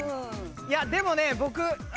いやでもね僕。